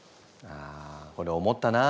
ああこれ思ったな。